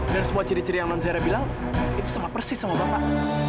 dan semua ciri ciri yang don zaira bilang itu sama persis sama bapak